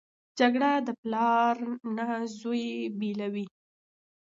جګړه د پلار نه زوی بېلوي